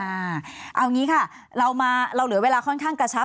เอาอย่างนี้ค่ะเราเหลือเวลาค่อนข้างกระชับ